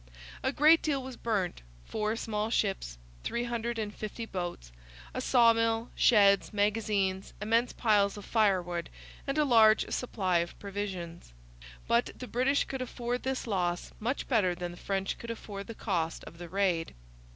A great deal was burnt: four small ships, 350 boats, a sawmill, sheds, magazines, immense piles of firewood, and a large supply of provisions. But the British could afford this loss much better than the French could afford the cost of the raid.